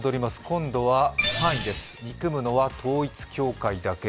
今度は３位です、憎むのは統一教会だけ。